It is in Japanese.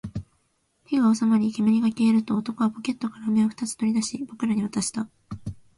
火が収まり、煙が消えると、男はポケットから飴を二つ取り出し、僕らに渡した